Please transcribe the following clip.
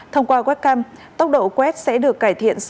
thông qua webcam tốc độ quét sẽ được cải thiện